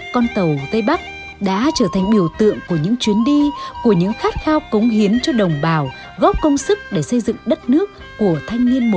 con tàu tây bắc đã trở thành biểu tượng của những chuyến đi của những khát khao cống hiến cho đồng bào góp công sức để xây dựng đất nước của thanh niên một